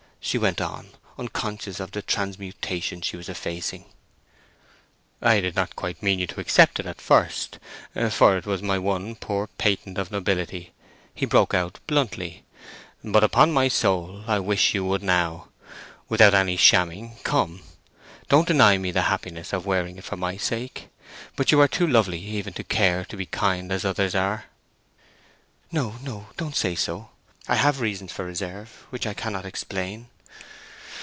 she went on, unconscious of the transmutation she was effecting. "I did not quite mean you to accept it at first, for it was my one poor patent of nobility," he broke out, bluntly; "but, upon my soul, I wish you would now. Without any shamming, come! Don't deny me the happiness of wearing it for my sake? But you are too lovely even to care to be kind as others are." "No, no; don't say so! I have reasons for reserve which I cannot explain."